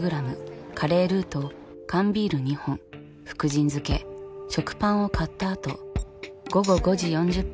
カレールーと缶ビール２本福神漬け食パンを買ったあと午後５時４０分